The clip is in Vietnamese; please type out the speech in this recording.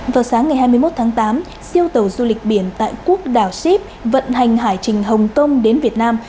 vào sáng ngày hai mươi một tháng tám siêu tàu du lịch biển tại quốc đảo sip vận hành hải trình hồng tông đến việt nam